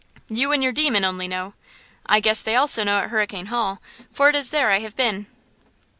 "You and your demon only know!" "I guess they also know at Hurricane Hall, for it is there I have been!"